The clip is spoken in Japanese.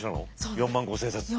４万５，０００冊。